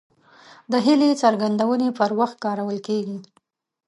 د هیلې څرګندونې پر وخت کارول کیږي.